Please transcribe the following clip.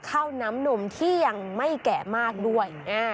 ข้าวน้ำนมที่ยังไม่แก่มากด้วย